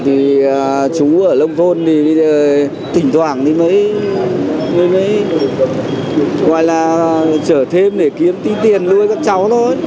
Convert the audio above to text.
ờ thì chú ở lông thôn thì tỉnh thoảng thì mới người mới ngoài là chở thêm để kiếm tí tiền nuôi các cháu thôi